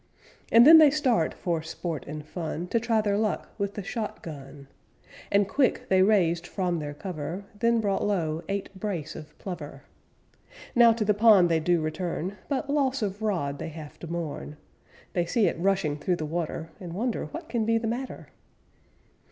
And then they start for sport and fun, To try their luck with the shot gun, And quick they raised from their cover, Then brought low eight brace of plover. Now to the pond they do return, But loss of rod they have to mourn, They see it rushing through the water, And wonder what can be the matter.